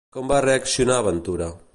Com va reaccionar Ventura?